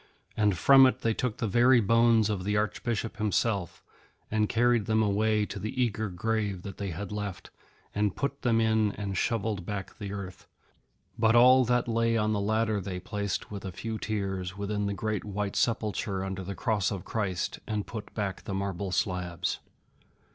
And from it they took the very bones of the Archbishop himself, and carried them away to the eager grave that they had left, and put them in and shovelled back the earth. But all that lay on the ladder they placed, with a few tears, within the great white sepulchre under the Cross of Christ, and put back the marble slabs.